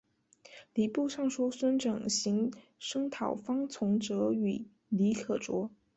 礼部尚书孙慎行声讨方从哲与李可灼。